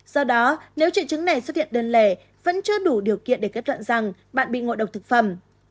do đó nếu triệu chứng này xuất hiện đơn lẻ vẫn chưa đủ điều kiện để kết luận rằng bạn bị ngộ độc thực phẩm